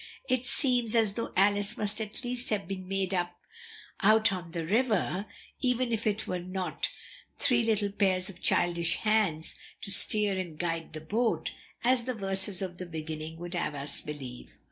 It seems as though 'Alice' must at least have been made up out on the river, even if there were not three little pairs of childish hands to steer and guide the boat, as the verses at the beginning would have us believe."